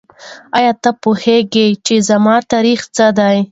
آیا ته پوهېږې چې زموږ تاریخ څه دی؟